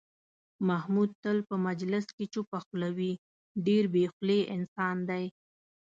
محمود تل په مجلس کې چوپه خوله وي، ډېر بې خولې انسان دی.